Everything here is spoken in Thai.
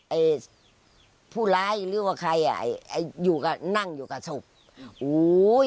ไอ้ผู้ร้ายหรือว่าใครนั่งอยู่กับสุภูมิ